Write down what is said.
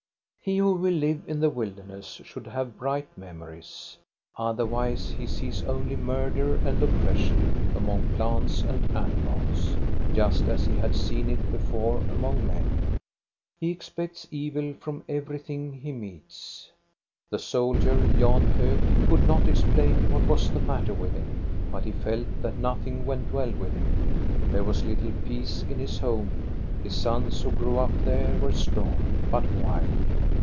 He who will live in the wilderness should have bright memories. Otherwise he sees only murder and oppression among plants and animals, just as he had seen it before among men. He expects evil from everything he meets. The soldier, Jan Hok, could not explain what was the matter with him ; but he felt that nothing went well with him. There was little peace in his home. His sons who grew up there were strong, but wild.